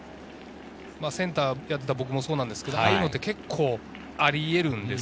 センターをやっていた僕もそうですけれど、ああいうのって、結構ありえるんです。